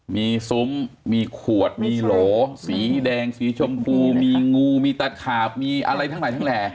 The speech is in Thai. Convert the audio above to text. มีซุ้มมีขวดมีโหลสีแดงสีชมพูมีงูมีตะขาบมีอะไรทั้งหลายทั้งแหล่